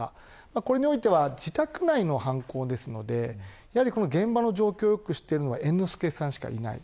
これにおいては自宅内の犯行ですので現場の状況をよく知っているのは猿之助さんしかいない。